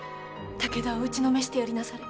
武田を打ちのめしてやりなされ。